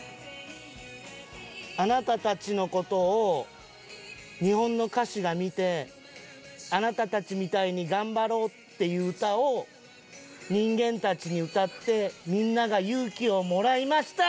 あなたたちの事を日本の歌手が見てあなたたちみたいに頑張ろうっていう歌を人間たちに歌ってみんなが勇気をもらいました！